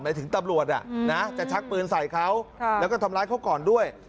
ถึงตำรวจจะชักปืนใส่เขาแล้วก็ทำร้ายเขาก่อนด้วย